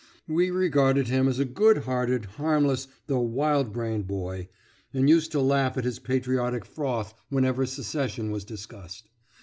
We regarded him as a good hearted, harmless, though wild brained, boy, and used to laugh at his patriotic froth whenever secession was discussed.